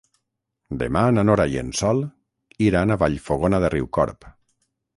Demà na Nora i en Sol iran a Vallfogona de Riucorb.